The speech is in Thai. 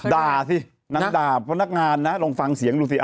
สินางด่าพนักงานนะลองฟังเสียงดูสิ